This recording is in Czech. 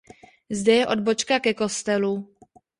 Zde je odbočka ke kostelu.